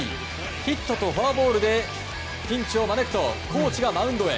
ヒットとフォアボールでピンチを招くとコーチがマウンドへ。